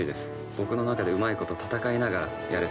僕の中でうまいこと戦いながらやれたらいいなと。